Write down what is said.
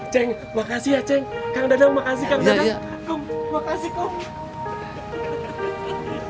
ceng makasih ya ceng kang dadam makasih kang dadam makasih kamu